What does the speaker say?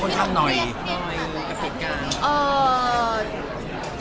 คุณคาดนอยกับเศรษฐกาล